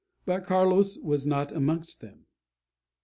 But Carlos was not amongst them.